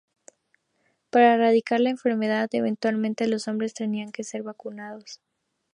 Para erradicar la enfermedad, eventualmente los hombres tendrían que ser vacunados.